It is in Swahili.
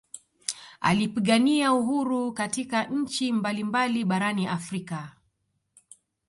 Alipigania uhuru katika nchi mbali mbali barani Afrika